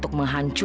tuk berasa aneh